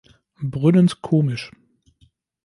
Brüllend komisch!